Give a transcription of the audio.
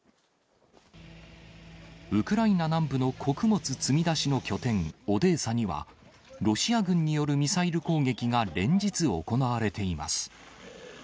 ウクライナ南部の穀物積み出しの拠点、オデーサには、ロシア軍によるミサイル攻撃が連日行われています。